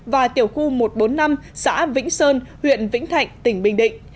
và tiểu khu một trăm bốn mươi năm xã vĩnh sơn huyện vĩnh thạnh tỉnh bình định